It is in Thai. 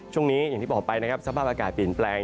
อย่างที่บอกไปนะครับสภาพอากาศเปลี่ยนแปลง